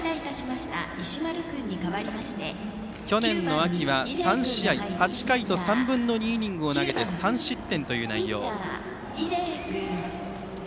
去年の秋は３試合８回と３分の２イニングを投げて３失点という内容。